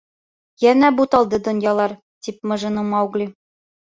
— Йәнә буталды донъялар, — тип мыжыны Маугли.